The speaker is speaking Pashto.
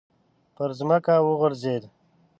پر ځمکه وغورځېد.